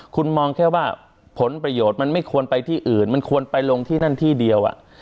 คุณมองแค่ว่าผลประโยชน์มันไม่ควรไปที่อื่นมันควรไปลงที่นั่นที่เดียว